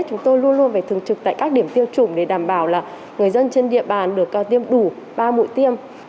chúng tôi luôn luôn phải thường trực tại các điểm tiêm chủng để đảm bảo là người dân trên địa bàn được tiêm đủ ba mũi tiêm